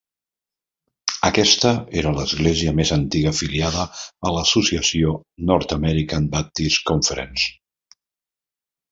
Aquesta era l'església més antiga afiliada a l'associació North American Baptist Conference.